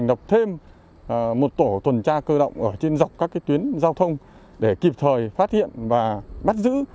nọc thêm một tổ tuần tra cơ động ở trên dọc các tuyến giao thông để kịp thời phát hiện và bắt giữ